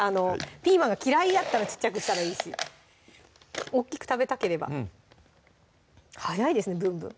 ピーマンが嫌いやったら小っちゃくしたらいいし大っきく食べたければ早いですね「ぶんぶん」